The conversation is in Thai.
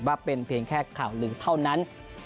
ว่าเป็นเพลงแค่ข่าวลึกเท่านั้น